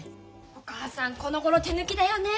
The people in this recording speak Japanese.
お母さんこのごろ手抜きだよね。